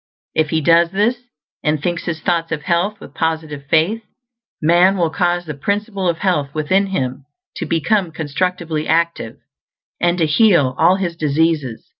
If he does this, and thinks his thoughts of health with positive FAITH, man will cause the Principle of Health within him to become constructively active, and to heal all his diseases.